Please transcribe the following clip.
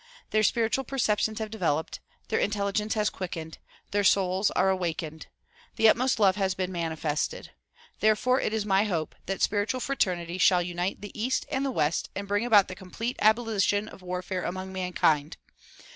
Their spiritual perceptions have developed, their intelligence has quickened, their souls are awakened. The utmost love has been manifested. There fore it is my hope that spiritual fraternity shall unite the east and the west and bring about the complete abolition of warfare among mankind.